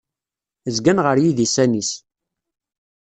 Zzgan ɣer yidisan-is.